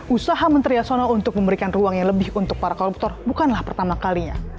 usaha menteri yasono untuk memberikan ruang yang lebih untuk para koruptor bukanlah pertama kalinya